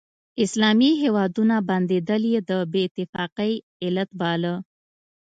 اسلامي هیوادونه بندېدل یې د بې اتفاقۍ علت باله.